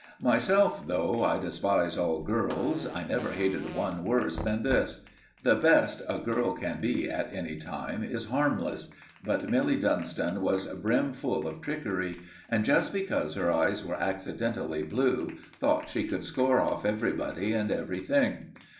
Myself, though I despise all girls, I never hated one worse than this. The best a girl can be at any time is harmless; but Milly Dunstan was brimful of trickery, and, just because her eyes were accidentally blue, thought she could score off everybody and everything.